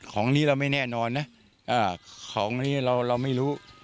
ของนี้เราไม่แน่นอนนะของนี้เราไม่รู้